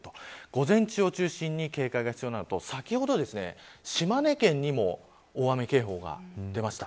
午前中を中心に警戒が必要なのと先ほど、島根県にも大雨警報が出ました。